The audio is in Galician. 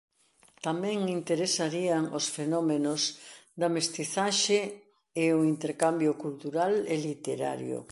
Tamén interesarían os fenómenos da mestizaxe e o intercambio cultural e literario.